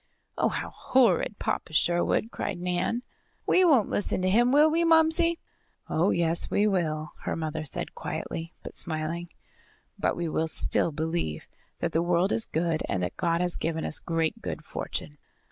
"Oh, how horrid, Papa Sherwood!" cried Nan. "We won't listen to him, will we, Momsey?" "Oh, yes we will," her mother said quietly, but smiling. "But we will still believe that the world is good and that God has given us great good fortune.